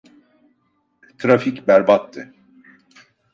Trafik berbattı.